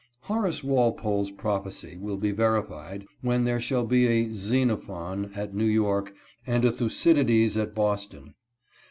Horace Walpole's prophecy will be verified when there shall be a Xenophon at New York and a Thucydides at Boston.